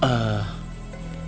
kalau ada penampakan